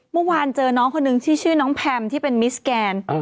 เมื่อวานเจอน้องคนนึงที่ชื่อน้องแพมที่เป็นมิสแกน